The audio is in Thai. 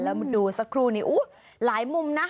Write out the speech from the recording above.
แล้วดูสักครู่นี้หลายมุมนะ